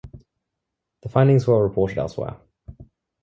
The findings were reported elsewhere.